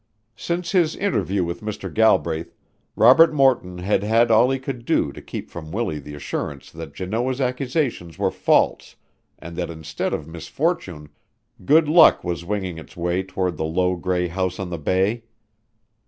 Since his interview with Mr. Galbraith, Robert Morton had had all he could do to keep from Willie the assurance that Janoah's accusations were false and that instead of misfortune good luck was winging its way toward the low gray house on the bay.